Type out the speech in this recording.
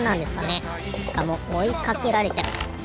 しかもおいかけられちゃうし。